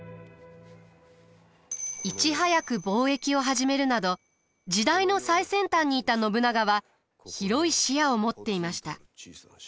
いち早く貿易を始めるなど時代の最先端にいた信長は広い視野を持っていました。